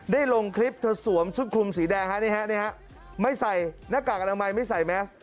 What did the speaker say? ได้ลงคลิปเธอสวมชุดคลุมสีแดงไม่ใส่หน้ากากอลังไมล์ไม่ใส่แม็กซ์